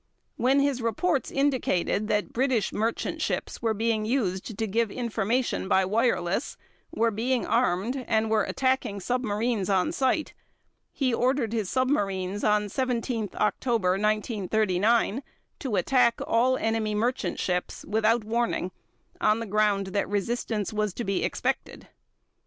When his reports indicated that British merchant ships were being used to give information by wireless, were being armed, and were attacking submarines on sight, he ordered his submarines on 17 October 1939 to attack all enemy merchant ships without warning on the ground that resistance was to be expected.